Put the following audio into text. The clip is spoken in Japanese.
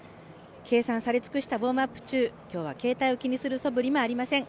計算されつくしたウオームアップ中、今日は携帯を気にするそぶりもありません。